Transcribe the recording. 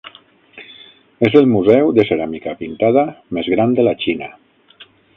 És el museu de ceràmica pintada més gran de la Xina.